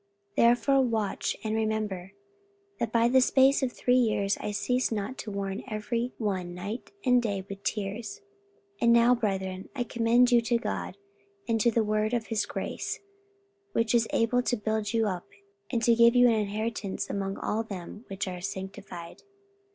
44:020:031 Therefore watch, and remember, that by the space of three years I ceased not to warn every one night and day with tears. 44:020:032 And now, brethren, I commend you to God, and to the word of his grace, which is able to build you up, and to give you an inheritance among all them which are sanctified.